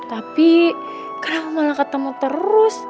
tapi kamu malah ketemu terus